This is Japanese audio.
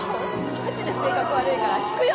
マジで性格悪いからひくよ